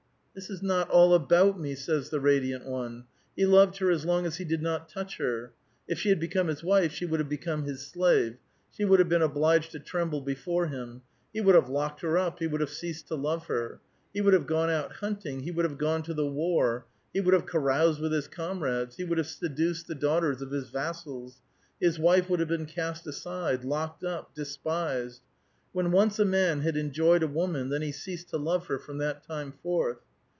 " This is not all about me,'* savs the radiant one. " He loved her as long as he did not touch her. If she had become his wife, she would have become his slave ; she would have been obliged to tremble before him ; he would have locked her up ; he would have ceased to love her. He would have gone out hunting ; he would have gone to the war ; he would have caroused with his comrades ; he would have seduced the daughters of his vassals ; his wife would have been cast aside, locked up, despised. When once a man had enjoyed a woman, then he ceased to love her from that tune forth.